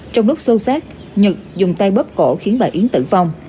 trong lúc xô xét nhật dùng tay bóp cổ khiến bà yến tử vong